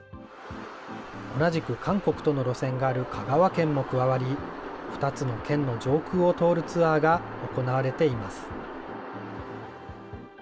同じく韓国との路線がある香川県も加わり、２つの県の上空を通るツアーが行われています。